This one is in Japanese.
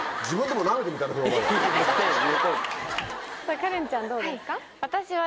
花恋ちゃんどうですか？